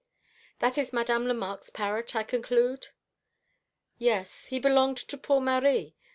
"That is Madame Lemarque's parrot, I conclude?" "Yes. He belonged to poor Marie.